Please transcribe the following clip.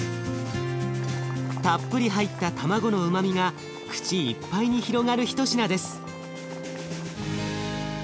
たっぷり入った卵のうまみが口いっぱいに広がる一品です。